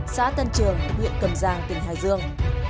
xã tân trường huyện cầm giang tỉnh hải dương